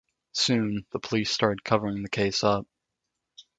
Soon, the police start covering the case up.